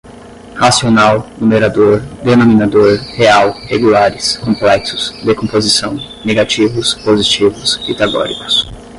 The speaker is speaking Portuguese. racional, numerador, denominador, real, regulares, complexos, decomposição, negativos, positivos, pitagóricos